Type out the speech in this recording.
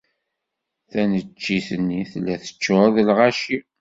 Taneččit-nni tella teččuṛ d lɣaci.